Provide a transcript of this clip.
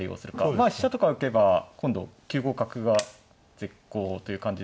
まあ飛車とか浮けば今度９五角が絶好という感じですよね。